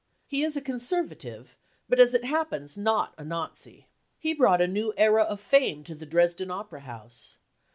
He is a conserva tive, but as it happens not a Nazi. He brought a new era of fame to the Dresden Opera House.